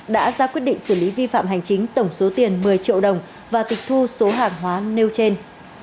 đã ra quyết định xử lý vi phạm hành chính tổng số tiền một mươi triệu đồng và tịch thu số hàng hóa nêu trên